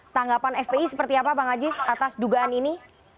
tanggapan fpi seperti apa bang aziz atas dugaan ini